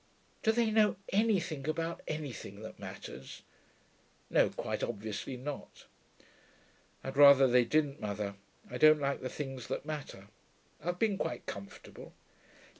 Do they know anything about anything that matters? No, quite obviously not.' 'I'd rather they didn't, mother. I don't like the things that matter. I've been quite comfortable.'